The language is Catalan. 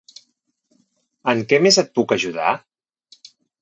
En què més et puc ajudar?